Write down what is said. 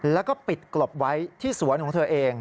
แล้วก็ปิดกลบไว้ที่สวนของเธอเอง